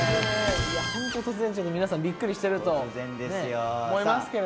ホント突然皆さんびっくりしてると思いますけれど。